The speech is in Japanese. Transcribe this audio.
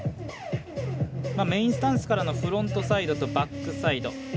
メインスタンスからのフロントサイドからのバックサイド。